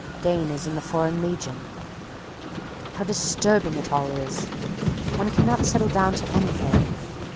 Dane is in the Foreign Legion. How disturbing it all is! One cannot settle down to anything.